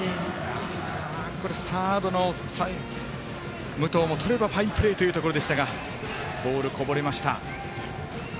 サードの武藤もとればファインプレーというところでしたがボールこぼれました。